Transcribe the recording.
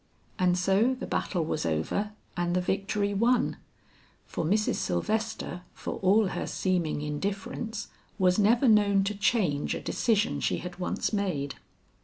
And so the battle was over and the victory won; for Mrs. Sylvester for all her seeming indifference was never known to change a decision she had once made.